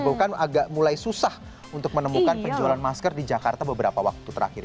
bukan agak mulai susah untuk menemukan penjualan masker di jakarta beberapa waktu terakhir ini